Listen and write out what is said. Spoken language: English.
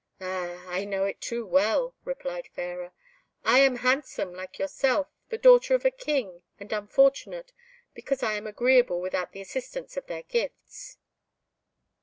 "Ah! I know it too well," replied Fairer; "I am handsome, like yourself, the daughter of a King, and unfortunate, because I am agreeable without the assistance of their gifts."